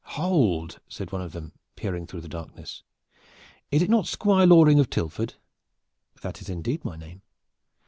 "Hold!" said one of them, peering through the darkness, "is it not Squire Loring of Tilford?" "That is indeed my name."